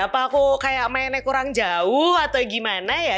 apa aku kayak mainnya kurang jauh atau gimana ya